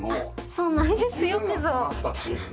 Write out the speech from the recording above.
そうなんですよくぞ。